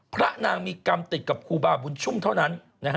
พระนางมีกรรมติดกับครูบาบุญชุ่มเท่านั้น